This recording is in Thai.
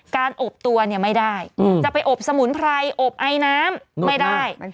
การอบตัวเนี่ยไม่ได้จะไปอบสมุนไพรอบไอน้ำไม่ได้